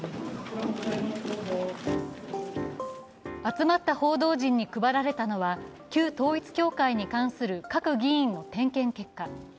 集まった報道陣に配られたのは旧統一教会に関する各議員の点検結果。